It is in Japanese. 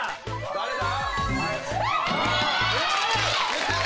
誰だ？